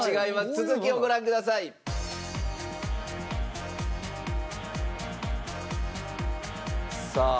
続きをご覧ください。さあ。